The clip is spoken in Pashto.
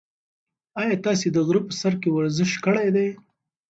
ایا تاسي د غره په سر کې ورزش کړی دی؟